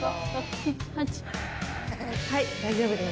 はい、大丈夫です。